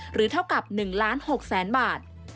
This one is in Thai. เท่ากับ๑ล้าน๖แสนบาท